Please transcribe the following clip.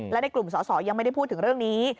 และในกลุ่มสอสอยังไม่ได้พูดถึงเรื่องนี้